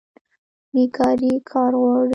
بیکاري کار غواړي